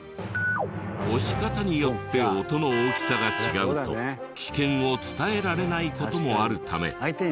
押し方によって音の大きさが違うと危険を伝えられない事もあるため。